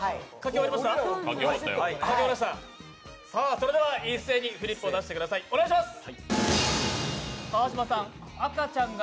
それでは一斉にフリップを出してください、お願いします。